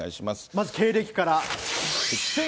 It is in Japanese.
まず経歴から。